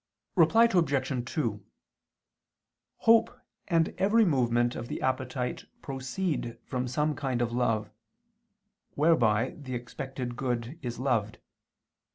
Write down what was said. Reply Obj. 2: Hope and every movement of the appetite proceed from some kind of love, whereby the expected good is loved.